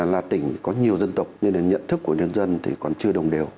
là tỉnh có nhiều dân tộc nên là nhận thức của nhân dân thì còn chưa đồng đều